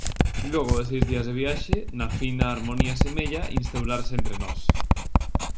Logo de seis días de viaxe, na fin a harmonía semella instaurarse entre nós.